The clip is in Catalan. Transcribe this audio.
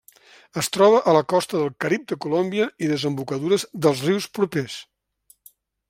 Es troba a la costa del Carib de Colòmbia i desembocadures dels rius propers.